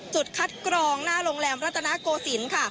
จุดคัดกรองหน้าโรงแรมรัตนโกศิลป์ค่ะ